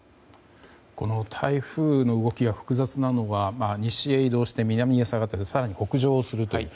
この台風の動きが複雑なのは西へ移動して南へ下がって更に北上するという。